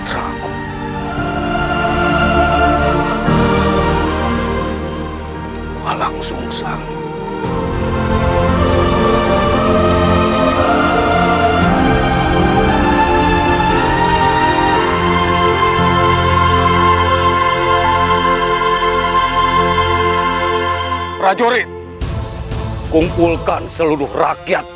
dan aku sendiri yang akan mengumumkan